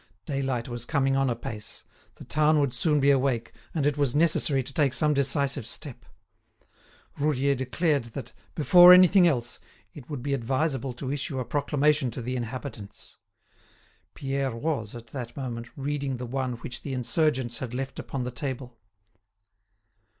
Daylight was coming on apace, the town would soon be awake, and it was necessary to take some decisive step. Roudier declared that, before anything else, it would be advisable to issue a proclamation to the inhabitants. Pierre was, at that moment, reading the one which the insurgents had left upon the table.